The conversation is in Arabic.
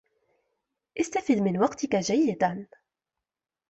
استفد من وقتك جيدا.